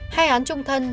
hai án trung thân